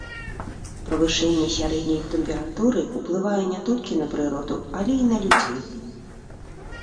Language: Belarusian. Павышэнне сярэдняй тэмпературы ўплывае не толькі на прыроду, але і на людзей.